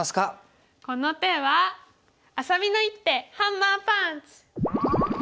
この手はあさみの一手ハンマーパンチ！